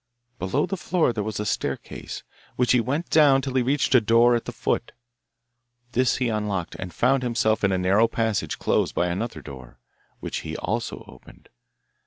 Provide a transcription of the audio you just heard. Below the floor there was a staircase, which he went down till he reached a door at the foot. This he unlocked, and found himself in a narrow passage closed by another door, which he also opened.